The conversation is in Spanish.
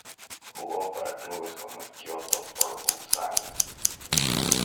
Jugó para clubes como el Kyoto Purple Sanga.